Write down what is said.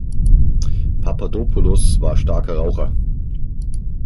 Papadopoulos war starker Raucher.